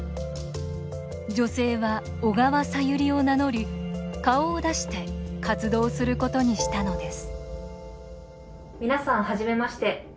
女性は「小川さゆり」を名乗り顔を出して活動することにしたのです